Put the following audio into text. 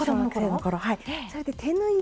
はい。